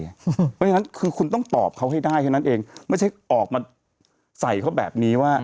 เพราะฉะนั้นคือคุณต้องตอบเขาให้ได้แค่นั้นเองไม่ใช่ออกมาใส่เขาแบบนี้ว่า